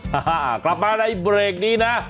กลับมาในเบรกนี้นะ